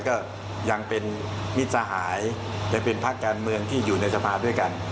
ก็ยังมีสหายยังเป็นพักการเมืองที่อยู่ในสภาพด้วยกัน